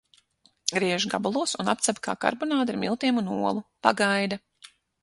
Griež gabalos un apcep kā karbonādi ar miltiem un olu. Pagaida.